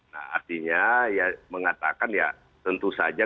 nah artinya ya mengatakan ya tentu saja